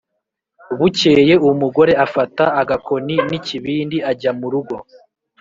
bukeye umugore afata agakoni n' ikibindi ajya murugo